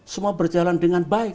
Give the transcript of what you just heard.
semua berjalan dengan baik